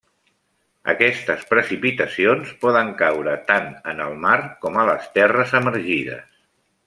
Aquestes precipitacions poden caure tant en el mar com a les terres emergides.